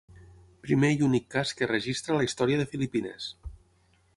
Primer i únic cas que registra la història de Filipines.